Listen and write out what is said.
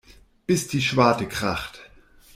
Bis die Schwarte kracht.